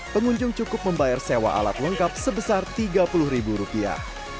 pengunjung cukup membayar sewa alat lengkap sebesar tiga puluh ribu rupiah